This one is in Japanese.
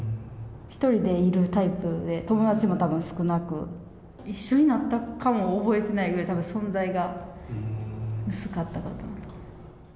一人でいるタイプで、友達もたぶん少なく、一緒になったかも覚えてないくらい、たぶん、存在が薄かったかと思います。